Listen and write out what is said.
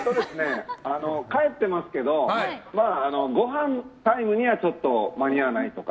帰ってますけどごはんタイムにはちょっと、間に合わないとか。